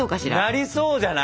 なりそうじゃない？